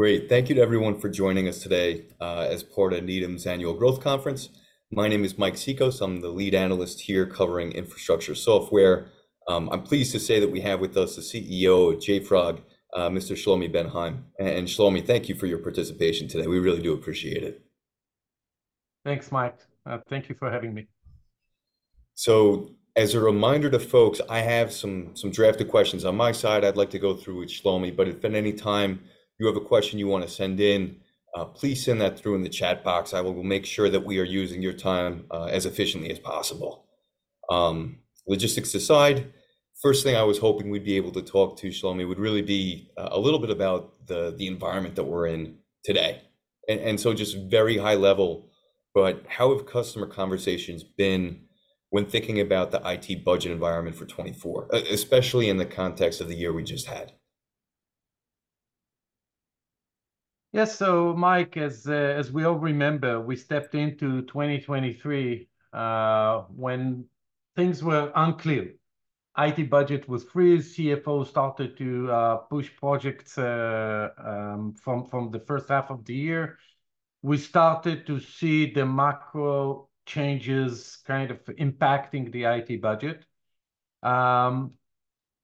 Great. Thank you to everyone for joining us today as part of Needham's Annual Growth Conference. My name is Mike Cikos. I'm the lead analyst here covering infrastructure software. I'm pleased to say that we have with us the CEO of JFrog, Mr. Shlomi Ben Haim. And, Shlomi, thank you for your participation today. We really do appreciate it. Thanks, Mike. Thank you for having me. So as a reminder to folks, I have some drafted questions on my side I'd like to go through with Shlomi, but if at any time you have a question you wanna send in, please send that through in the chat box. I will make sure that we are using your time as efficiently as possible. Logistics aside, first thing I was hoping we'd be able to talk to, Shlomi, would really be a little bit about the environment that we're in today. So just very high level, but how have customer conversations been when thinking about the IT budget environment for 2024, especially in the context of the year we just had? Yes, so Mike, as we all remember, we stepped into 2023, when things were unclear. IT budget was frozen, CFO started to push projects from the first half of the year. We started to see the macro changes kind of impacting the IT budget.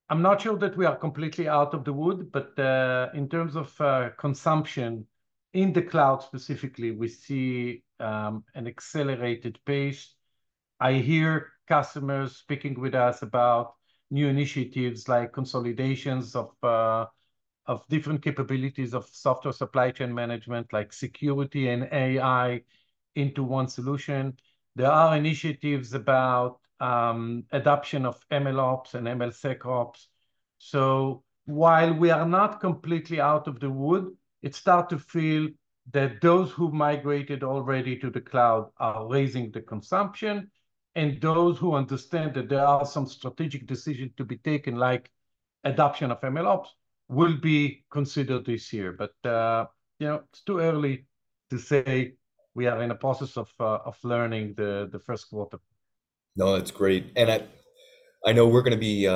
I'm not sure that we are completely out of the wood, but in terms of consumption in the cloud specifically, we see an accelerated pace. I hear customers speaking with us about new initiatives like consolidations of different capabilities of software supply chain management, like security and AI, into one solution. There are initiatives about adoption of MLOps and MLSecOps. So, while we are not completely out of the woods, it starts to feel that those who migrated already to the cloud are raising the consumption, and those who understand that there are some strategic decisions to be taken, like adoption of MLOps, will be considered this year. But, you know, it's too early to say. We are in a process of learning the first quarter. No, it's great. And I, I know we're gonna be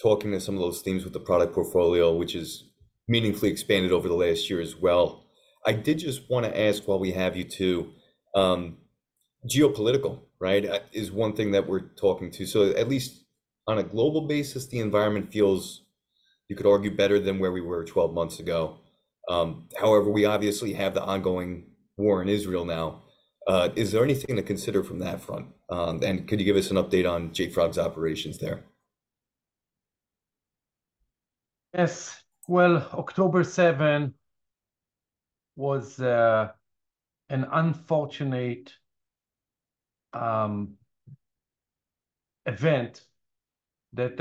talking to some of those themes with the product portfolio, which has meaningfully expanded over the last year as well. I did just wanna ask, while we have you, too, geopolitical, right, is one thing that we're talking to. So at least on a global basis, the environment feels, you could argue, better than where we were 12 months ago. However, we obviously have the ongoing war in Israel now. Is there anything to consider from that front? And could you give us an update on JFrog's operations there? Yes. Well, October 7 was an unfortunate event that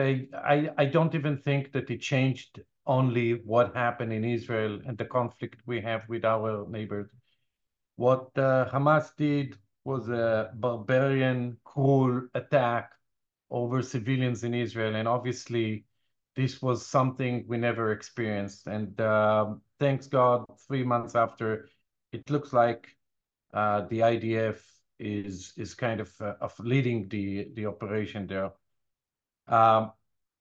I don't even think that it changed only what happened in Israel and the conflict we have with our neighbors. What Hamas did was a barbarian, cruel attack over civilians in Israel, and obviously this was something we never experienced. And thanks God, three months after, it looks like the IDF is kind of of leading the operation there.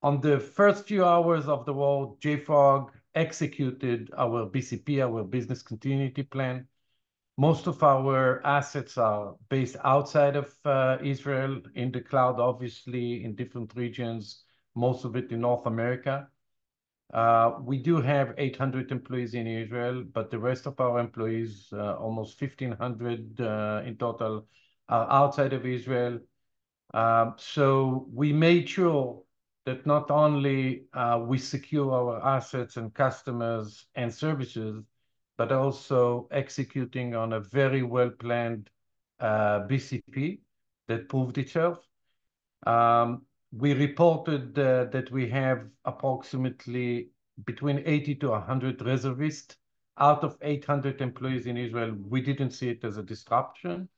On the first few hours of the war, JFrog executed our BCP, our business continuity plan. Most of our assets are based outside of Israel, in the cloud, obviously, in different regions, most of it in North America. We do have 800 employees in Israel, but the rest of our employees, almost 1,500 in total, are outside of Israel. So we made sure that not only we secure our assets and customers and services, but also executing on a very well-planned BCP that proved itself. We reported that we have approximately between 80-100 reservists out of 800 employees in Israel. We didn't see it as a disruption.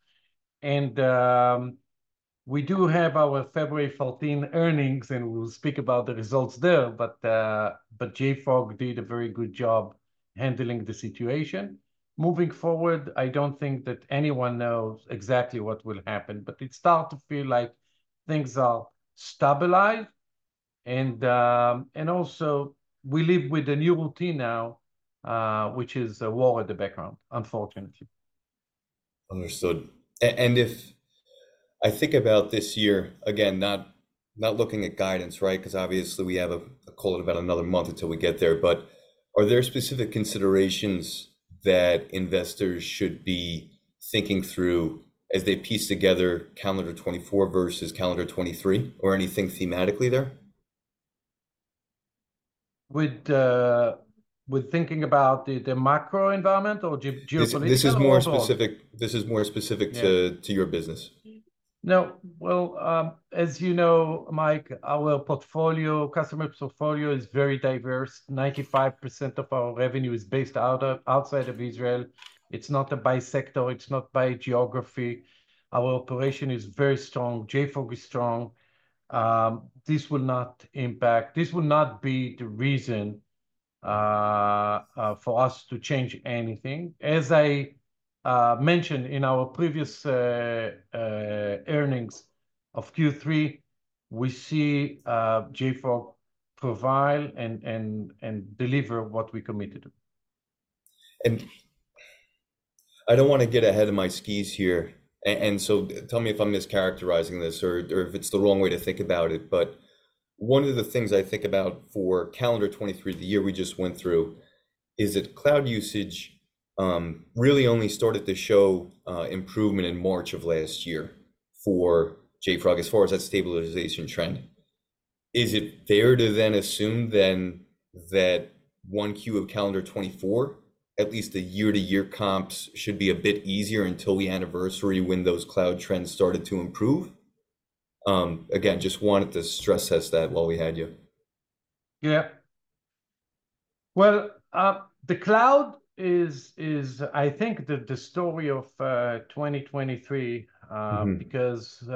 We do have our February 14 earnings, and we'll speak about the results there, but but JFrog did a very good job handling the situation. Moving forward, I don't think that anyone knows exactly what will happen, but it start to feel like things are stabilized. Also, we live with a new routine now, which is a war at the background, unfortunately. Understood. And if I think about this year, again, not looking at guidance, right? Because obviously we have a call in about another month until we get there, but are there specific considerations that investors should be thinking through as they piece together calendar 2024 versus calendar 2023, or anything thematically there? With thinking about the macro environment or geopolitical, or both? This is more specific to your business. No. Well, as you know, Mike, our portfolio, customer portfolio is very diverse. 95% of our revenue is based outside of Israel. It's not by sector, it's not by geography. Our operation is very strong. JFrog is strong. This will not impact. This will not be the reason for us to change anything. As I mentioned in our previous earnings of Q3 we see JFrog provide and deliver what we committed to. And I don't want to get ahead of my skis here, and so tell me if I'm mischaracterizing this or, or if it's the wrong way to think about it, but one of the things I think about for calendar 2023, the year we just went through, is that cloud usage really only started to show improvement in March of last year for JFrog as far as that stabilization trend. Is it fair to then assume then that 1Q of calendar 2024, at least the year-to-year comps should be a bit easier until we anniversary when those cloud trends started to improve? Again, just wanted to stress test that while we had you. Yeah. Well, the cloud is, I think the story of 2023 because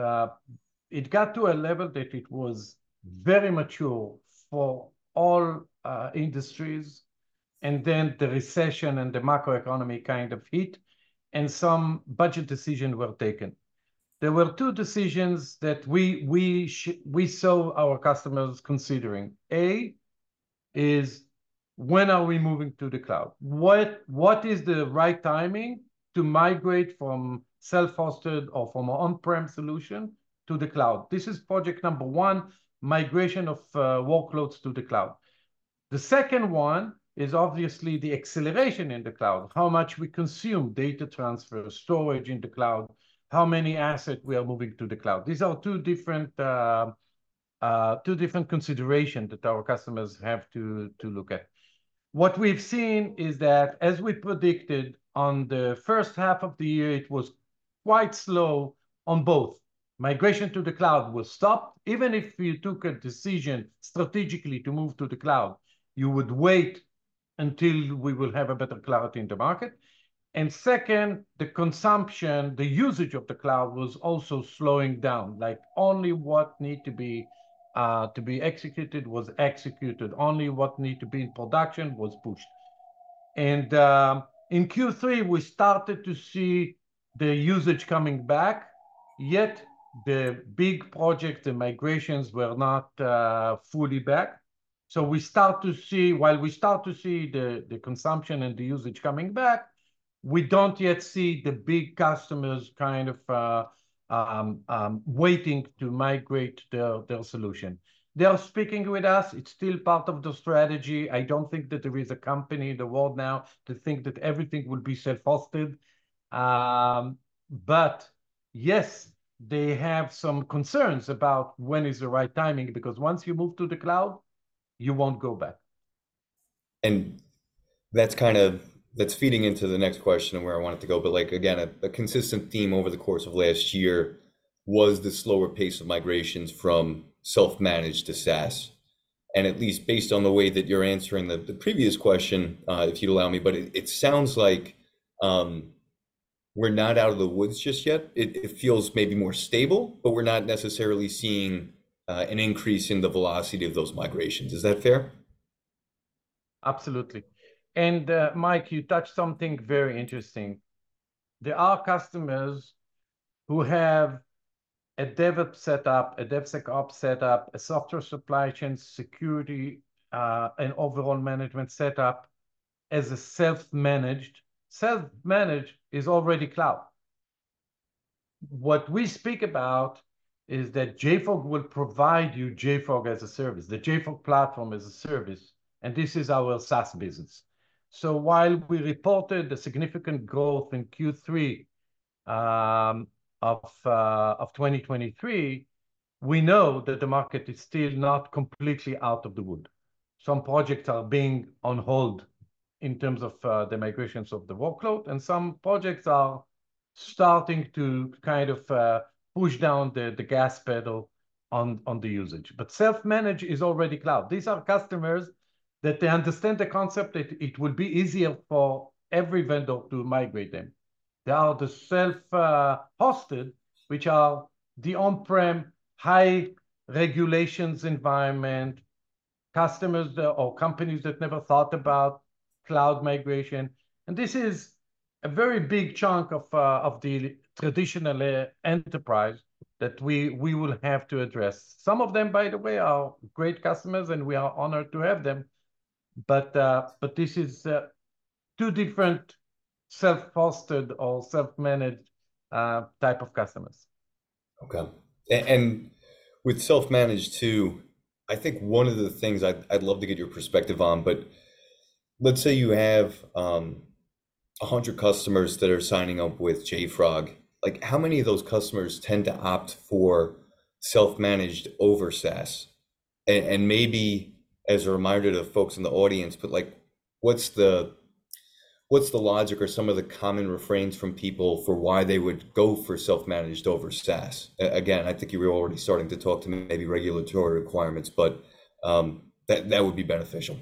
it got to a level that it was very mature for all industries, and then the recession and the macroeconomy kind of hit, and some budget decisions were taken. There were two decisions that we saw our customers considering. A, is when are we moving to the cloud? What is the right timing to migrate from self-hosted or from an on-prem solution to the cloud? This is project number one, migration of workloads to the cloud. The second one is obviously the acceleration in the cloud, how much we consume, data transfer, storage in the cloud, how many assets we are moving to the cloud. These are two different considerations that our customers have to look at. What we've seen is that, as we predicted, on the first half of the year, it was quite slow on both. Migration to the cloud was stopped. Even if you took a decision strategically to move to the cloud, you would wait until we will have a better clarity in the market. And second, the consumption, the usage of the cloud was also slowing down. Like, only what need to be to be executed was executed. Only what need to be in production was pushed. And in Q3, we started to see the usage coming back, yet the big project, the migrations were not fully back. So we start to see while we start to see the consumption and the usage coming back, we don't yet see the big customers kind of waiting to migrate their solution. They are speaking with us. It's still part of the strategy. I don't think that there is a company in the world now to think that everything will be self-hosted. But yes, they have some concerns about when is the right timing, because once you move to the cloud, you won't go back. That's kind of feeding into the next question and where I want it to go. But, like, again, a consistent theme over the course of last year was the slower pace of migrations from self-managed to SaaS. And at least based on the way that you're answering the previous question, if you'd allow me, but it sounds like we're not out of the woods just yet. It feels maybe more stable, but we're not necessarily seeing an increase in the velocity of those migrations. Is that fair? Absolutely. And, Mike, you touched something very interesting. There are customers who have a DevOps setup, a DevSecOps setup, a software supply chain security, an overall management setup as a self-managed. Self-managed is already cloud. What we speak about is that JFrog will provide you JFrog as a service, the JFrog Platform as a service, and this is our SaaS business. So while we reported a significant growth in Q3 of 2023, we know that the market is still not completely out of the woods. Some projects are being on hold in terms of the migrations of the workload, and some projects are starting to kind of push down the gas pedal on the usage. But self-managed is already cloud. These are customers that they understand the concept, that it would be easier for every vendor to migrate them. There are the self hosted, which are the on-prem, high regulations environment, customers that, or companies that never thought about cloud migration, and this is a very big chunk of of the traditional enterprise that we will have to address. Some of them, by the way, are great customers, and we are honored to have them, but this is two different self-hosted or self-managed type of customers. Okay. And with self-managed too, I think one of the things I'd, I'd love to get your perspective on, but let's say you have 100 customers that are signing up with JFrog, like, how many of those customers tend to opt for self-managed over SaaS? And maybe as a reminder to folks in the audience, but like, what's the logic or some of the common refrains from people for why they would go for self-managed over SaaS? Again, I think you were already starting to talk to maybe regulatory requirements, but that would be beneficial.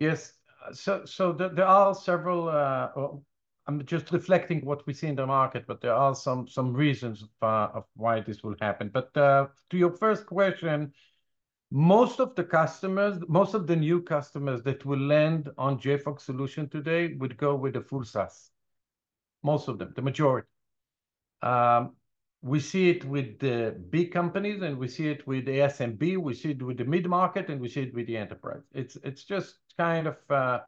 Yes. So there are several. Well, I'm just reflecting what we see in the market, but there are some reasons of why this will happen. But to your first question, most of the customers, most of the new customers that will land on JFrog solution today would go with the full SaaS. Most of them, the majority. We see it with the big companies, and we see it with the SMB, we see it with the mid-market, and we see it with the enterprise. It's just kind of,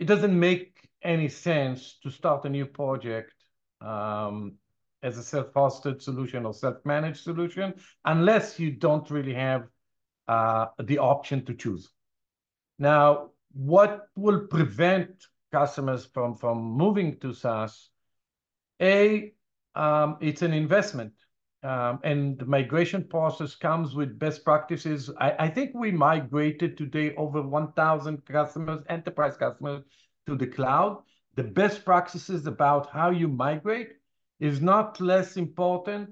it doesn't make any sense to start a new project, as a self-hosted solution or self-managed solution, unless you don't really have the option to choose. Now, what will prevent customers from moving to SaaS? A, it's an investment, and migration process comes with best practices. I think we migrated today over 1,000 customers, enterprise customers, to the cloud. The best practices about how you migrate is not less important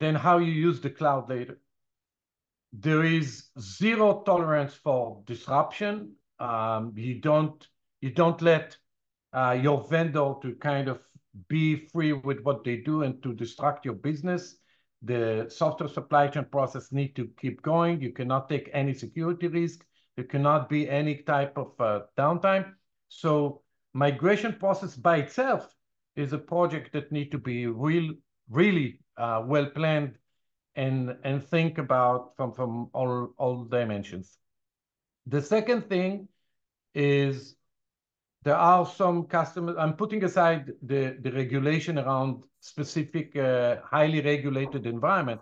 than how you use the cloud data. There is zero tolerance for disruption. You don't, you don't let your vendor to kind of be free with what they do and to distract your business. The software supply chain process need to keep going. You cannot take any security risk. There cannot be any type of downtime. So migration process by itself is a project that need to be really well planned and think about from all dimensions. The second thing is, there are some customers. I'm putting aside the regulation around specific highly regulated environment.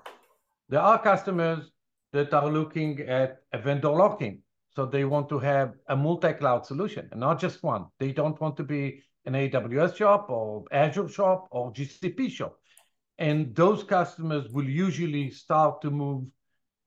There are customers that are looking at a vendor lock-in, so they want to have a multi-cloud solution, and not just one. They don't want to be an AWS shop or Azure shop or GCP shop, and those customers will usually start to move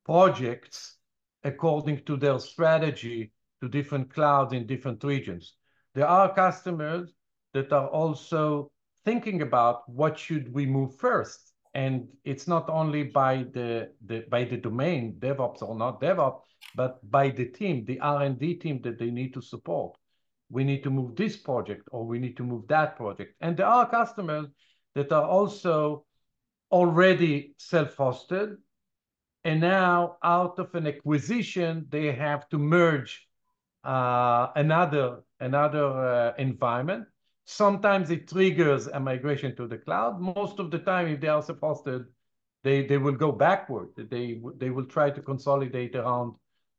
projects according to their strategy to different clouds in different regions. There are customers that are also thinking about, "What should we move first?" And it's not only by the domain, DevOps or not DevOps, but by the team, the R&D team that they need to support. We need to move this project, or we need to move that project. And there are customers that are also already self-hosted, and now, out of an acquisition, they have to merge another environment. Sometimes it triggers a migration to the cloud. Most of the time, if they are self-hosted, they will go backward. They will try to consolidate around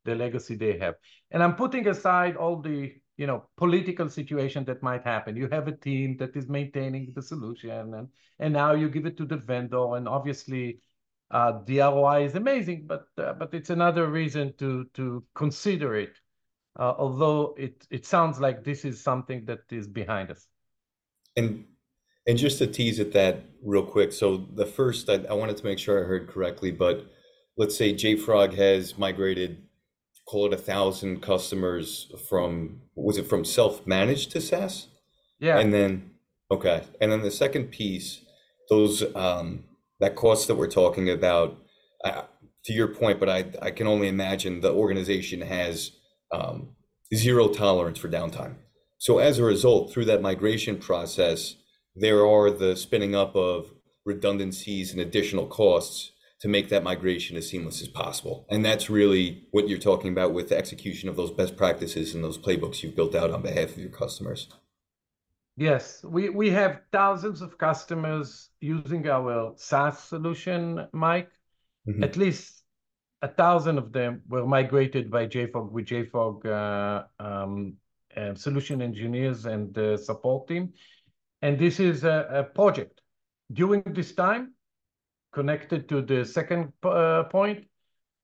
the legacy they have. And I'm putting aside all the, you know, political situation that might happen. You have a team that is maintaining the solution, and now you give it to the vendor, and obviously, the ROI is amazing, but it's another reason to consider it. Although it sounds like this is something that is behind us. And just to tease at that real quick, I wanted to make sure I heard correctly, but let's say JFrog has migrated, call it 1,000 customers from. Was it from self-managed to SaaS? Yeah. The second piece, those that cost that we're talking about, to your point, but I can only imagine the organization has zero tolerance for downtime. So as a result, through that migration process, there are the spinning up of redundancies and additional costs to make that migration as seamless as possible, and that's really what you're talking about with the execution of those best practices and those playbooks you've built out on behalf of your customers. Yes. We have thousands of customers using our SaaS solution, Mike. Mm-hmm. At least 1,000 of them were migrated by JFrog, with JFrog solution engineers and the support team, and this is a project. During this time, connected to the second point,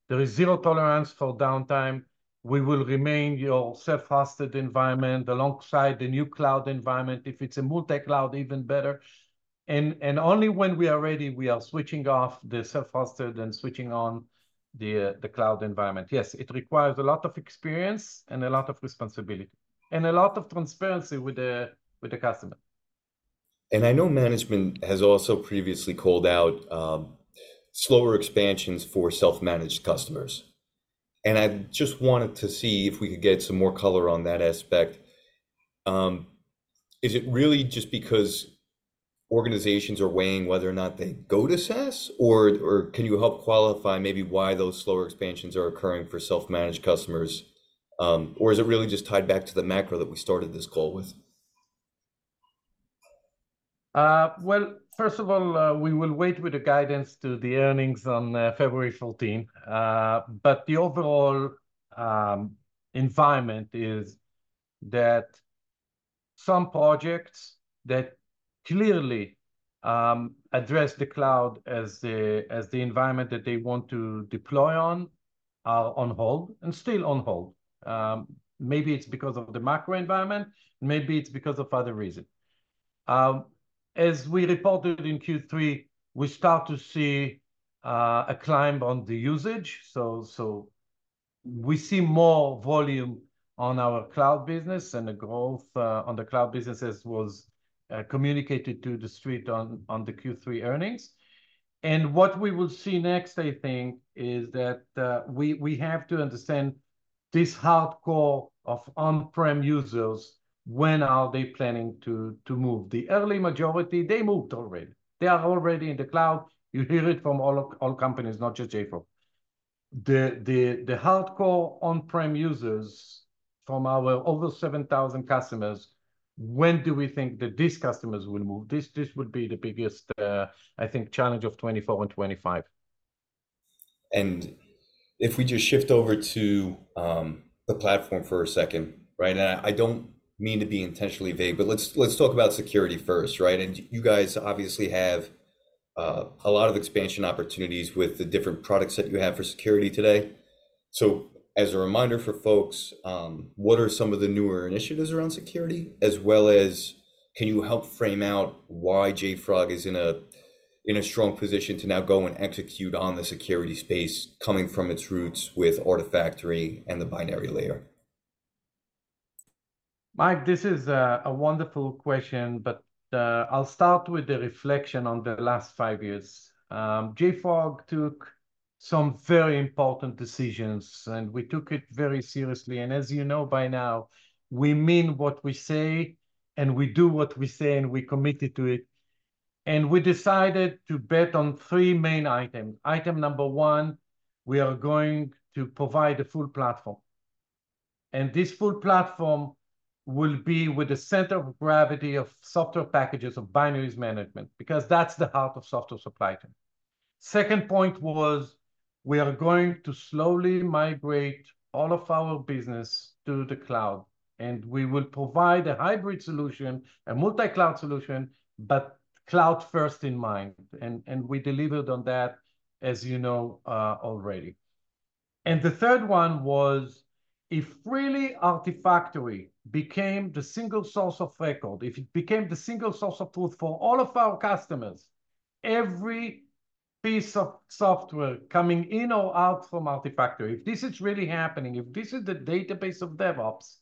there is zero tolerance for downtime. We will remain your self-hosted environment alongside the new cloud environment. If it's a multi-cloud, even better, and only when we are ready, we are switching off the self-hosted and switching on the cloud environment. Yes, it requires a lot of experience and a lot of responsibility, and a lot of transparency with the customer. I know management has also previously called out slower expansions for self-managed customers, and I just wanted to see if we could get some more color on that aspect. Is it really just because organizations are weighing whether or not they go to SaaS, or can you help qualify maybe why those slower expansions are occurring for self-managed customers? Or is it really just tied back to the macro that we started this call with? Well, first of all, we will wait with the guidance to the earnings on February 14th. But the overall environment is that some projects that clearly address the cloud as the environment that they want to deploy on are on hold and still on hold. Maybe it's because of the macro environment, maybe it's because of other reason. As we reported in Q3, we start to see a climb on the usage, so we see more volume on our cloud business, and the growth on the cloud businesses was communicated to the street on the Q3 earnings. And what we will see next, I think, is that we have to understand this hardcore of on-prem users, when are they planning to move? The early majority, they moved already. They are already in the cloud. You hear it from all companies, not just JFrog. The hardcore on-prem users from our over 7,000 customers, when do we think that these customers will move? This would be the biggest, I think, challenge of 2024 and 2025. And if we just shift over to the platform for a second, right? And I don't mean to be intentionally vague, but let's talk about security first, right? And you guys obviously have a lot of expansion opportunities with the different products that you have for security today. So as a reminder for folks, what are some of the newer initiatives around security, as well as can you help frame out why JFrog is in a strong position to now go and execute on the security space coming from its roots with Artifactory and the binary layer? Mike, this is a wonderful question, but I'll start with the reflection on the last five years. JFrog took some very important decisions, and we took it very seriously, and as you know by now, we mean what we say, and we do what we say, and we're committed to it. And we decided to bet on three main items. Item number one, we are going to provide a full platform, and this full platform will be with the center of gravity of software packages of binaries management, because that's the heart of software supply chain. Second point was, we are going to slowly migrate all of our business to the cloud, and we will provide a hybrid solution, a multi-cloud solution, but cloud first in mind. And we delivered on that, as you know, already. The third one was, if really Artifactory became the single source of record, if it became the single source of truth for all of our customers, every piece of software coming in or out from Artifactory, if this is really happening, if this is the database of DevOps,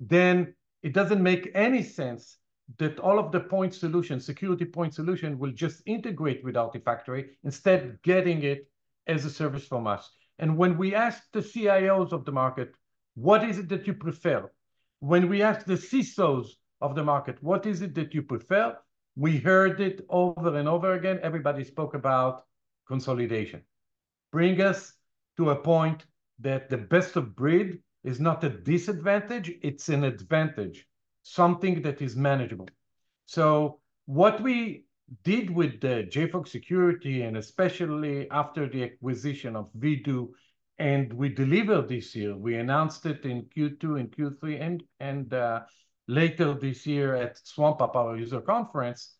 then it doesn't make any sense that all of the point solutions, security point solution, will just integrate with Artifactory instead of getting it as a service from us. And when we ask the CIOs of the market, "What is it that you prefer?" When we ask the CISOs of the market, "What is it that you prefer?" We heard it over and over again. Everybody spoke about consolidation. Bring us to a point that the best of breed is not a disadvantage, it's an advantage, something that is manageable. So what we did with the JFrog Security, and especially after the acquisition of Vdoo, and we delivered this year. We announced it in Q2 and Q3, and later this year at swampUP, our user conference,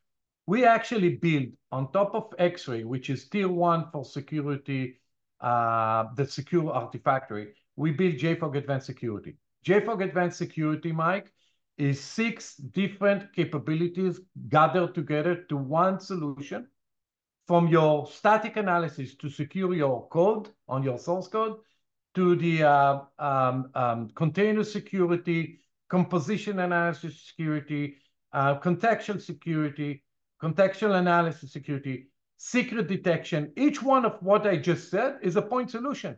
we actually built on top of Xray, which is tier one for security, the secure Artifactory. We built JFrog Advanced Security. JFrog Advanced Security, Mike, is six different capabilities gathered together to one solution, from your static analysis to secure your code on your source code, to the container security, composition analysis security, contextual security, contextual analysis security, secret detection. Each one of what I just said is a point solution.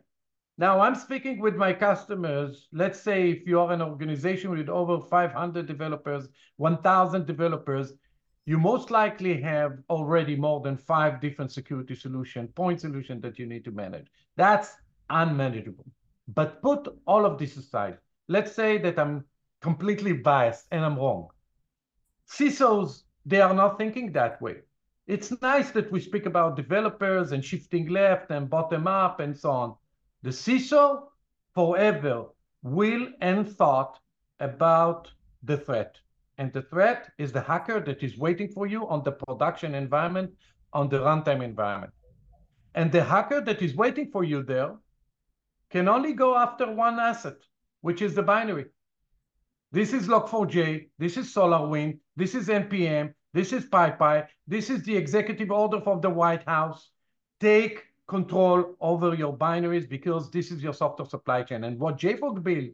Now, I'm speaking with my customers, let's say if you have an organization with over 500 developers, 1,000 developers, you most likely have already more than 5 different security solution, point solution, that you need to manage. That's unmanageable. But put all of this aside. Let's say that I'm completely biased and I'm wrong. CISOs, they are not thinking that way. It's nice that we speak about developers, and shifting left, and bottom up, and so on. The CISO forever will end thought about the threat, and the threat is the hacker that is waiting for you on the production environment, on the runtime environment. And the hacker that is waiting for you there can only go after one asset, which is the binary. This is Log4j, this is SolarWinds, this is npm, this is PyPI, this is the executive order from the White House. Take control over your binaries, because this is your software supply chain. What JFrog built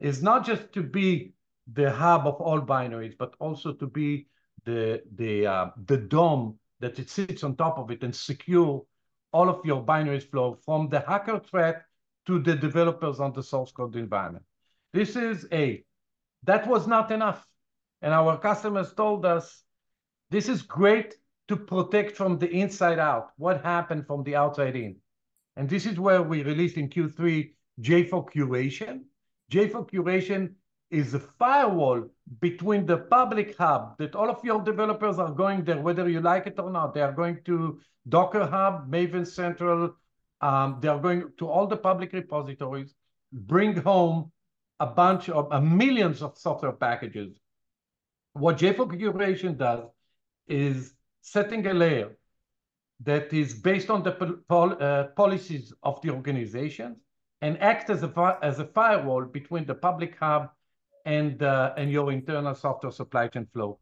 is not just to be the hub of all binaries, but also to be the dome that it sits on top of it and secure all of your binaries flow from the hacker threat to the developers on the source code environment. This is A. That was not enough, and our customers told us, "This is great to protect from the inside out. What happened from the outside in?" This is where we released in Q3 JFrog Curation. JFrog Curation is a firewall between the public hub, that all of your developers are going there whether you like it or not. They are going to Docker Hub, Maven Central, they are going to all the public repositories, bring home a bunch of millions of software packages. What JFrog Curation does is setting a layer that is based on the policies of the organization, and act as a firewall between the public hub and your internal software supply chain flow.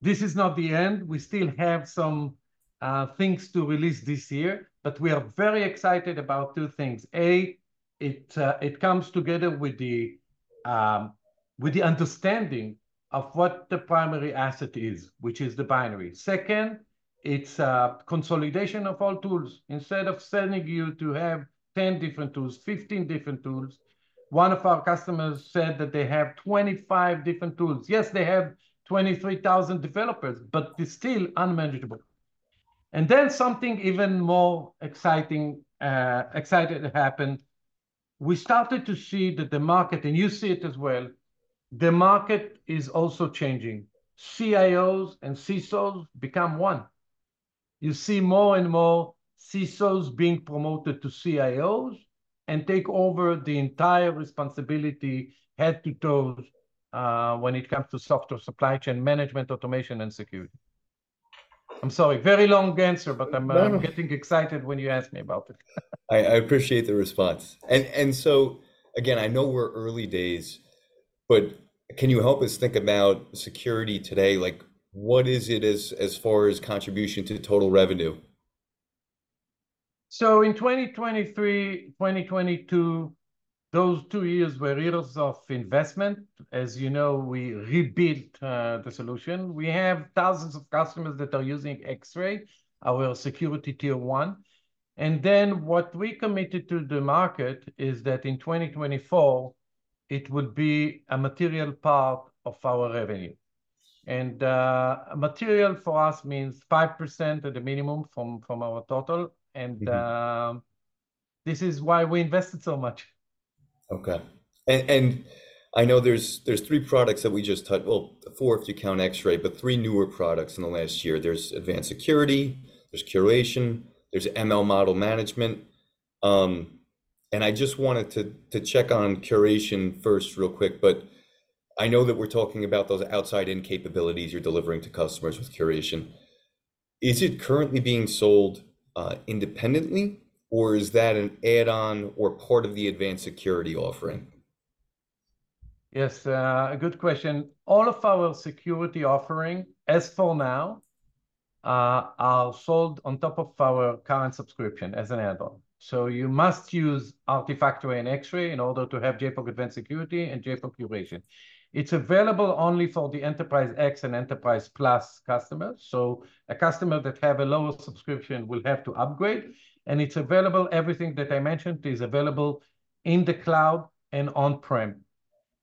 This is not the end. We still have some things to release this year, but we are very excited about two things: A, it comes together with the understanding of what the primary asset is, which is the binary. Second, it's a consolidation of all tools. Instead of sending you to have 10 different tools, 15 different tools, one of our customers said that they have 25 different tools. Yes, they have 23,000 developers, but it's still unmanageable. And then something even more exciting happened. We started to see that the market, and you see it as well, the market is also changing. CIOs and CISOs become one. You see more and more CISOs being promoted to CIOs and take over the entire responsibility, head to toe, when it comes to Software Supply Chain management, automation, and security. I'm sorry, very long answer, but I'm- No, no I'm getting excited when you ask me about it. I appreciate the response. And so again, I know we're early days, but can you help us think about security today? Like, what is it as far as contribution to the total revenue? So in 2023, 2022, those two years were years of investment. As you know, we rebuilt the solution. We have thousands of customers that are using X-Ray, our security tier one, and then what we committed to the market is that in 2024, it would be a material part of our revenue. And material for us means 5% at the minimum from our total, and this is why we invested so much. Okay. I know there's three products that we just talked. Well, four, if you count Xray, but three newer products in the last year. There's Advanced Security, there's Curation, there's ML Model Management. And I just wanted to check on Curation first real quick, but I know that we're talking about those outside-in capabilities you're delivering to customers with Curation. Is it currently being sold independently, or is that an add-on or part of the Advanced Security offering? Yes, a good question. All of our security offering, as for now, are sold on top of our current subscription as an add-on. So you must use Artifactory and Xray in order to have JFrog Advanced Security and JFrog Curation. It's available only for the Enterprise X and Enterprise Plus customers, so a customer that have a lower subscription will have to upgrade, and it's available, everything that I mentioned is available in the cloud and on-prem.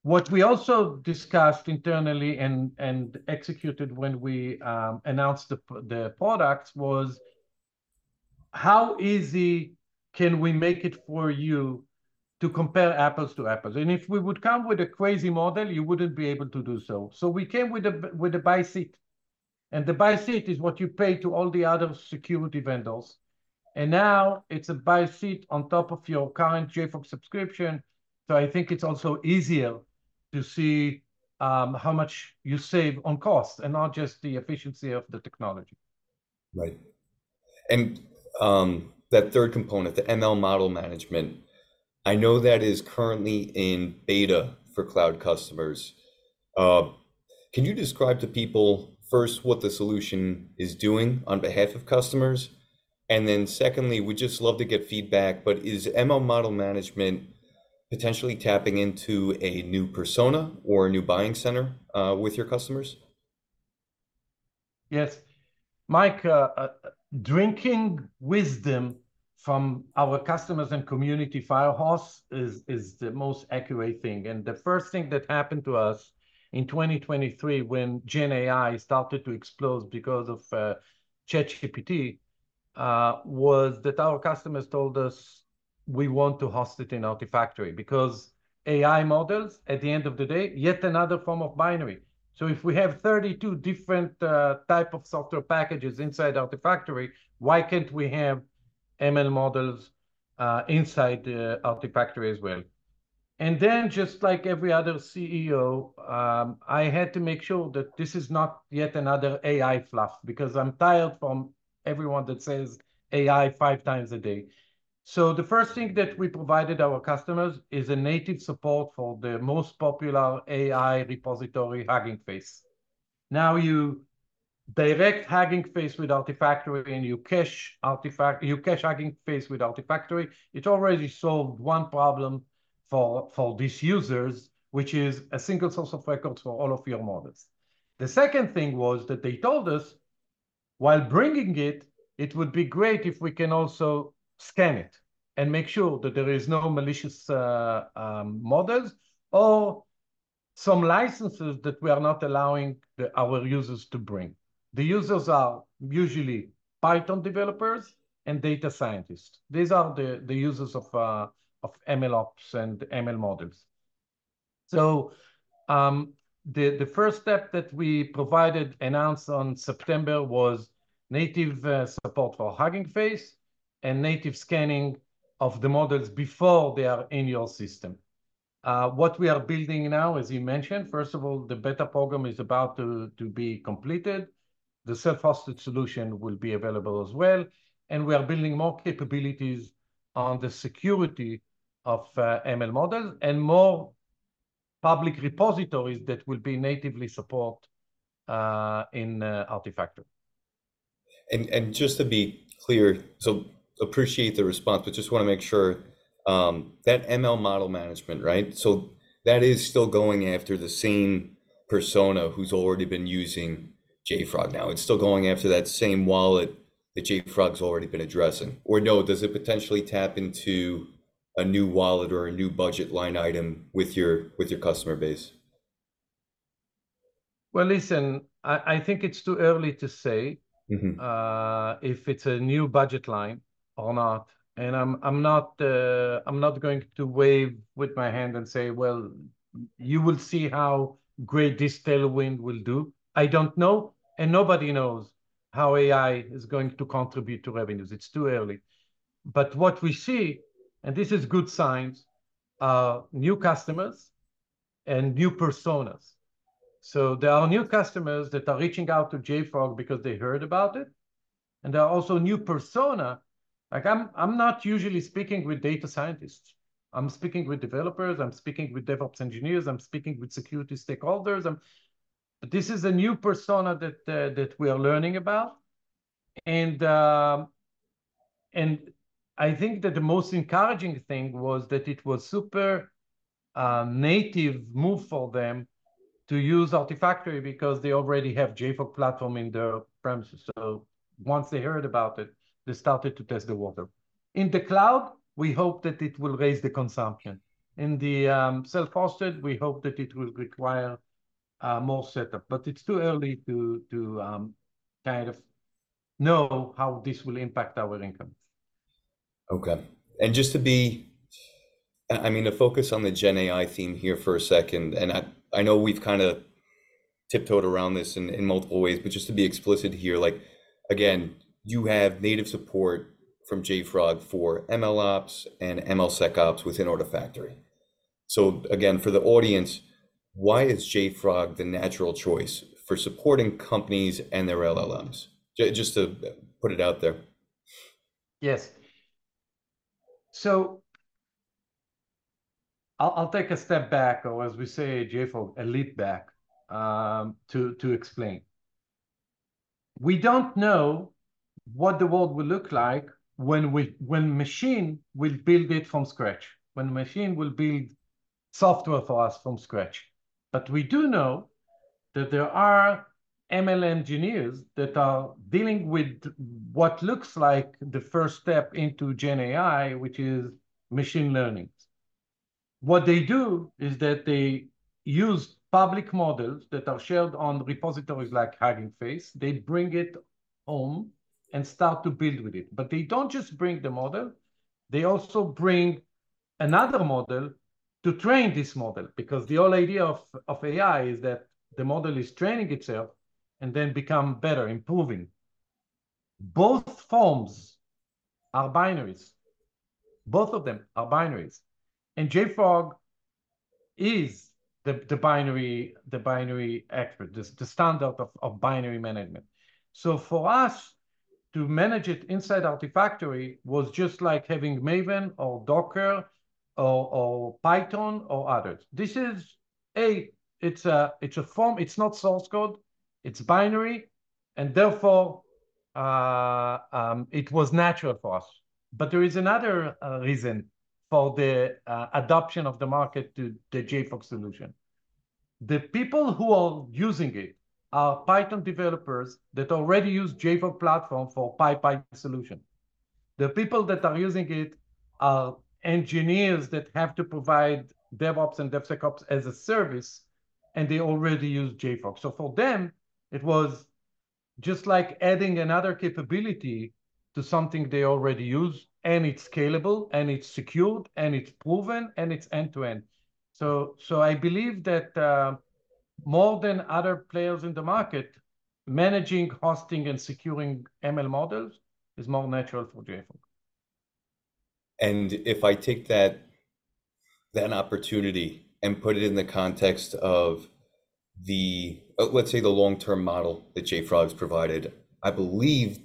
What we also discussed internally and executed when we announced the products was, how easy can we make it for you to compare apples to apples? And if we would come with a crazy model, you wouldn't be able to do so. So we came with a by-seat, and the by-seat is what you pay to all the other security vendors, and now it's a buy-seat on top of your current JFrog subscription. So I think it's also easier to see how much you save on cost and not just the efficiency of the technology. Right. And that third component, the ML Model Management, I know that is currently in beta for cloud customers. Can you describe to people, first, what the solution is doing on behalf of customers? And then secondly, we'd just love to get feedback, but is ML Model Management potentially tapping into a new persona or a new buying center with your customers? Yes. Mike, drinking wisdom from our customers and community firehose is the most accurate thing, and the first thing that happened to us in 2023 when GenAI started to explode because of ChatGPT was that our customers told us, "We want to host it in Artifactory because AI models, at the end of the day, yet another form of binary. So if we have 32 different type of software packages inside Artifactory, why can't we have ML models inside the Artifactory as well?" And then, just like every other CEO, I had to make sure that this is not yet another AI fluff, because I'm tired from everyone that says AI five times a day. So the first thing that we provided our customers is a native support for the most popular AI repository, Hugging Face. Now, you direct Hugging Face with Artifactory, and you cache Hugging Face with Artifactory. It already solved one problem for these users, which is a single source of records for all of your models. The second thing was that they told us, "While bringing it, it would be great if we can also scan it and make sure that there is no malicious models, or some licenses that we are not allowing our users to bring." The users are usually Python developers and data scientists. These are the users of MLOps and ML models. So, the first step that we provided, announced on September, was native support for Hugging Face and native scanning of the models before they are in your system. What we are building now, as you mentioned, first of all, the beta program is about to be completed. The self-hosted solution will be available as well, and we are building more capabilities on the security of ML models, and more public repositories that will be natively support in Artifactory. And just to be clear, so appreciate the response, but just wanna make sure that ML model management, right? So that is still going after the same persona who's already been using JFrog now. It's still going after that same wallet that JFrog's already been addressing, or no, does it potentially tap into a new wallet or a new budget line item with your customer base? Well, listen, I think it's too early to say. If it's a new budget line or not, and I'm not going to wave with my hand and say, "Well, you will see how great this tailwind will do." I don't know, and nobody knows how AI is going to contribute to revenues. It's too early. But what we see, and this is good signs, new customers and new personas. So there are new customers that are reaching out to JFrog because they heard about it, and there are also a new persona. Like, I'm not usually speaking with data scientists, I'm speaking with developers, I'm speaking with DevOps engineers, I'm speaking with security stakeholders, I'm. But this is a new persona that, that we are learning about. I think that the most encouraging thing was that it was super native move for them to use Artifactory because they already have JFrog Platform in their premises. So once they heard about it, they started to test the water. In the cloud, we hope that it will raise the consumption. In the self-hosted, we hope that it will require more setup, but it's too early to kind of know how this will impact our income. Okay. And just to be. I mean, to focus on the GenAI theme here for a second, and I know we've kind of tiptoed around this in multiple ways, but just to be explicit here, like, again, you have native support from JFrog for MLOps and MLSecOps within Artifactory. So again, for the audience, why is JFrog the natural choice for supporting companies and their LLMs? Just to put it out there. Yes. So I'll take a step back, or as we say at JFrog, a leap back, to explain. We don't know what the world will look like when machine will build it from scratch, when machine will build software for us from scratch. But we do know that there are ML engineers that are dealing with what looks like the first step into GenAI, which is machine learning. What they do is that they use public models that are shared on repositories like Hugging Face. They bring it home and start to build with it, but they don't just bring the model, they also bring another model to train this model, because the whole idea of AI is that the model is training itself and then become better, improving. Both forms are binaries. Both of them are binaries, and JFrog is the binary expert, the standard of binary management. So for us to manage it inside Artifactory was just like having Maven or Docker or Python or others. This is a form. It's not source code, it's binary, and therefore it was natural for us. But there is another reason for the adoption of the market to the JFrog solution. The people who are using it are Python developers that already use JFrog Platform for PyPI solution. The people that are using it are engineers that have to provide DevOps and DevSecOps as a service, and they already use JFrog. So for them, it was just like adding another capability to something they already use, and it's scalable, and it's secured, and it's proven, and it's end-to-end. So, I believe that, more than other players in the market, managing, hosting, and securing ML models is more natural for JFrog. And if I take that opportunity and put it in the context of the, let's say, the long-term model that JFrog's provided, I believe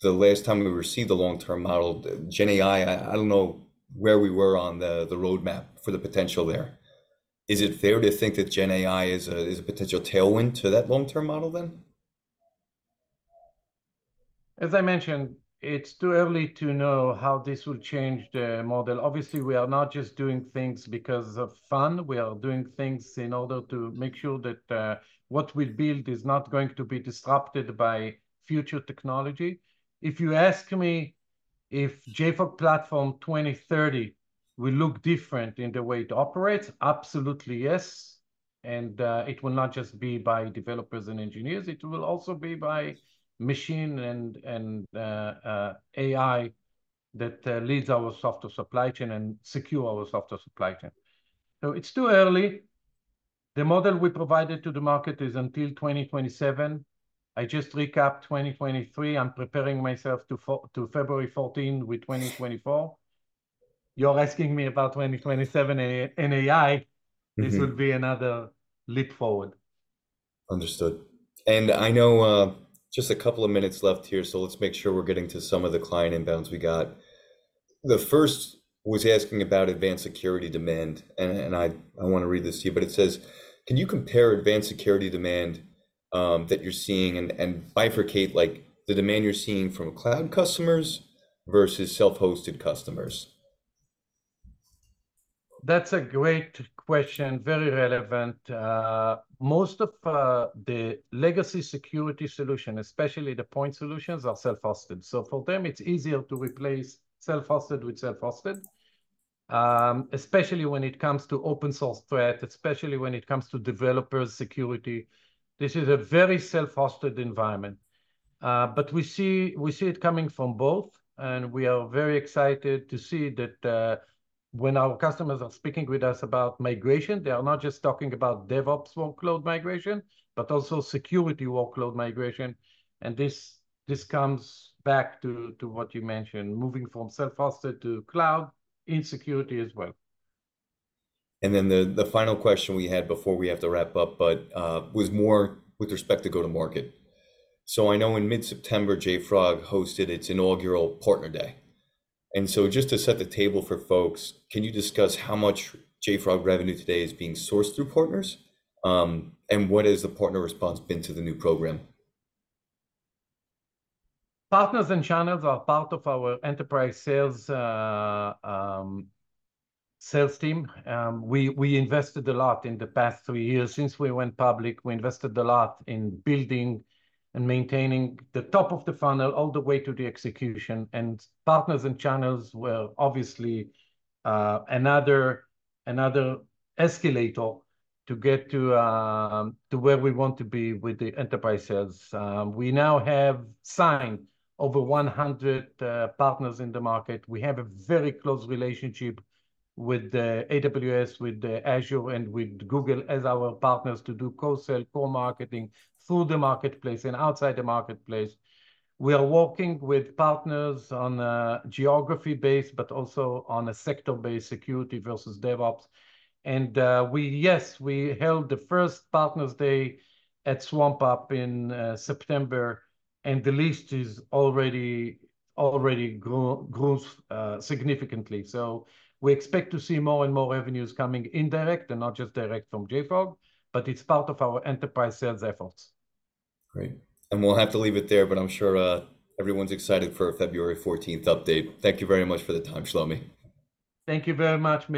the last time we received the long-term model, GenAI, I don't know where we were on the roadmap for the potential there. Is it fair to think that GenAI is a potential tailwind to that long-term model then? As I mentioned, it's too early to know how this will change the model. Obviously, we are not just doing things because of fun, we are doing things in order to make sure that what we build is not going to be disrupted by future technology. If you ask me if JFrog Platform 2030 will look different in the way it operates, absolutely yes, and it will not just be by developers and engineers, it will also be by machine and AI that leads our software supply chain and secure our software supply chain. So it's too early. The model we provided to the market is until 2027. I just recapped 2023. I'm preparing myself to February 14 with 2024. You're asking me about 2027 and AI this would be another leap forward. Understood. I know just a couple of minutes left here, so let's make sure we're getting to some of the client inbounds we got. The first was asking about advanced security demand, and I wanna read this to you, but it says, "Can you compare advanced security demand that you're seeing and bifurcate, like, the demand you're seeing from cloud customers versus self-hosted customers? That's a great question, very relevant. Most of the legacy security solution, especially the point solutions, are self-hosted. So for them, it's easier to replace self-hosted with self-hosted, especially when it comes to open source threat, especially when it comes to developer security. This is a very self-hosted environment. But we see, we see it coming from both, and we are very excited to see that, when our customers are speaking with us about migration, they are not just talking about DevOps workload migration, but also security workload migration, and this, this comes back to, to what you mentioned, moving from self-hosted to cloud in security as well. And then the final question we had before we have to wrap up but was more with respect to go-to-market. So, I know in mid-September, JFrog hosted its inaugural Partner Day, and so just to set the table for folks, can you discuss how much JFrog revenue today is being sourced through partners? And what has the partner response been to the new program? Partners and channels are part of our enterprise sales, sales team. We invested a lot in the past three years since we went public. We invested a lot in building and maintaining the top of the funnel all the way to the execution, and partners and channels were obviously another escalator to get to where we want to be with the enterprise sales. We now have signed over 100 partners in the market. We have a very close relationship with AWS, with Azure, and with Google as our partners to do co-sell, co-marketing through the marketplace and outside the marketplace. We are working with partners on a geography base, but also on a sector-based security versus DevOps, and we. Yes, we held the first Partners Day at swampUP in September, and the list is already grown significantly. So, we expect to see more and more revenues coming indirect and not just direct from JFrog, but it's part of our enterprise sales efforts. Great, and we'll have to leave it there, but I'm sure, everyone's excited for a February 14th update. Thank you very much for the time, Shlomi. Thank you very much.